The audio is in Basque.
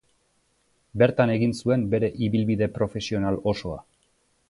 Bertan egin zuen bere ibilbide profesional osoa.